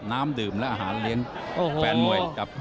น้ำดื่มและอาหารเลี้ยงแฟนมวยครับ